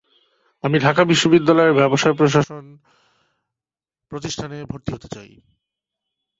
আন্তর্জাতিক ক্রিকেট অঙ্গনে তার স্বল্পকালীন অংশগ্রহণ ছিল।